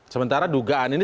sementara dugaan ini